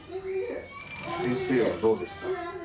先生はどうですか？